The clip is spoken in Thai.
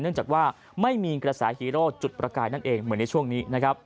เนื่องจากว่าไม่มีกระแสฮีโร่จุดประกายนั่นเองเหมือนในช่วงนี้นะครับ